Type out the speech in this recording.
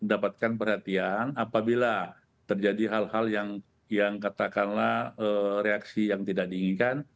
mendapatkan perhatian apabila terjadi hal hal yang katakanlah reaksi yang tidak diinginkan